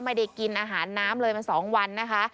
ไม่ได้กินอาหารน้ำเลยมา๒วันนะคะ